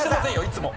いつも。